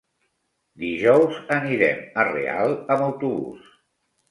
Dijous anirem a Real amb autobús.